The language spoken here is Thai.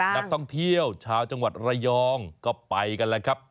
นักท่องเที่ยวชาวจังหวัดระยองก็ไปกันแล้วครับ